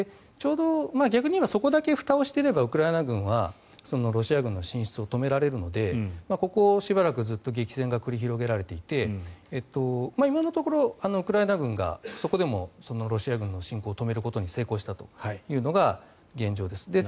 逆に言えばそこだけふたをしていればウクライナ軍はロシア軍の進出を止められるのでここしばらくずっと激戦が繰り広げられていて今のところ、ウクライナ軍がそこでもロシア軍の侵攻を止めることに成功したというのが現状です。